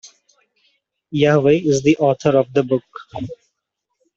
Yahweh is the author of the book.